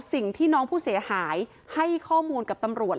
สิ่งที่น้องผู้เสียหายให้ข้อมูลกับตำรวจ